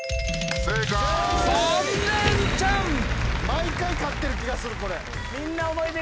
毎回勝ってる気がするこれ。